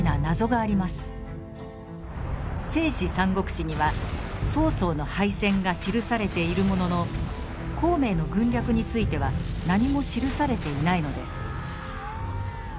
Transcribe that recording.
「正史三国志」には曹操の敗戦が記されているものの孔明の軍略については何も記されていないのです。